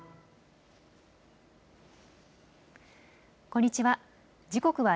こんにちは。